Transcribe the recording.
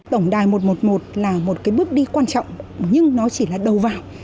tổng đài một trăm một mươi một là một cái bước đi quan trọng nhưng nó chỉ là đầu vào